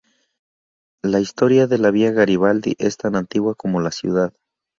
La historia de la Via Garibaldi es tan antigua como la ciudad.